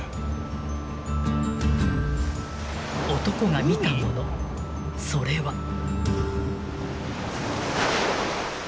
［男が見たものそれは］